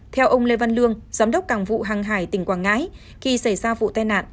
theo ông lê văn lương giám đốc cảng vụ hàng hải tỉnh quảng ngãi khi xảy ra vụ tai nạn